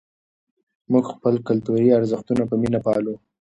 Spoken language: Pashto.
موږ خپل کلتوري ارزښتونه په مینه پالو.